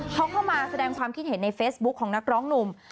เขาเข้ามาแสดงความคิดเห็นในเฟซบุ๊คของนักร้องหนุ่ม